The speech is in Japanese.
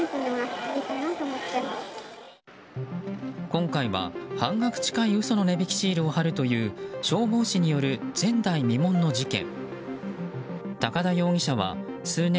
今回は、半額近い嘘の値引きシールを貼るという消防士による前代未聞の事件。